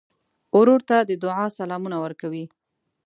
ورور ته د دعا سلامونه ورکوې.